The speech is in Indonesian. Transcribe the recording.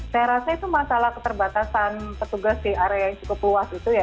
saya rasa itu masalah keterbatasan petugas di area yang cukup luas itu ya